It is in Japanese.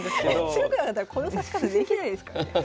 強くなかったらこの指し方できないですからね。